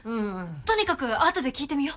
とにかく後で聞いてみよう。